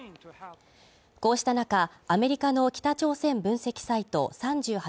こうした中、アメリカの北朝鮮分析サイト３８